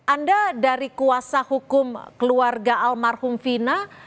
anda dari kuasa hukum keluarga almarhum vina